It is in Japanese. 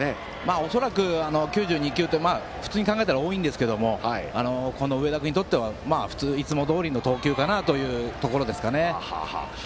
恐らく、９２球は普通に考えたら多いんですがこの上田君にとってはいつもどおりの投球というところですね。